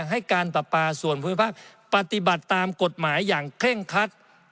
ให้การปรับปลาส่วนภูมิภาคปฏิบัติตามกฎหมายอย่างเคร่งคัด